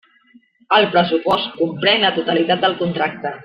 El pressupost comprèn la totalitat del contracte.